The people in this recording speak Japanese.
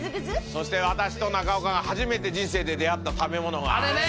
そして私と中岡が初めて人生で出会った食べ物があれね！